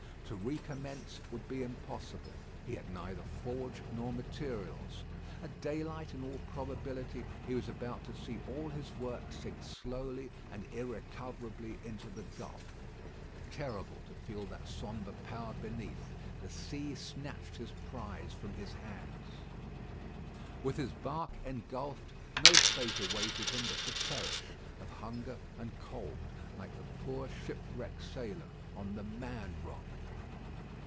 To recommence would be impossible. He had neither forge nor materials. At daylight, in all probability, he was about to see all his work sink slowly and irrecoverably into the gulf. Terrible, to feel that sombre power beneath. The sea snatched his prize from his hands. With his bark engulfed, no fate awaited him but to perish of hunger and cold, like the poor shipwrecked sailor on "The Man Rock."